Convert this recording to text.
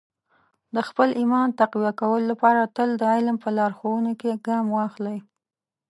د خپل ایمان تقویه کولو لپاره تل د علم په لارښوونو کې ګام واخلئ.